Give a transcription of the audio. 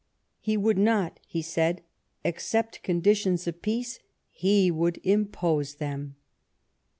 He w^ould not, he said, accept conditions of peace, he would impose them